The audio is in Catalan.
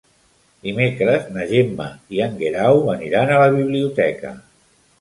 Dimecres na Gemma i en Guerau aniran a la biblioteca.